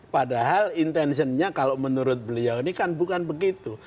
padahal intentionnya kalau menurut beliau ini kan bukan begitu